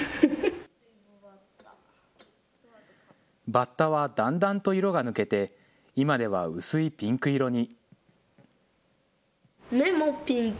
バッタはだんだんと色が抜けて、今では薄いピンク色に。